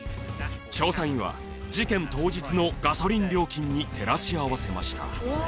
調査員は事件当日のガソリン料金に照らし合わせました。